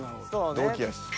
同期やし。